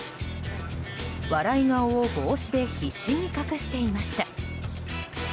笑い顔を帽子で必死に隠していました。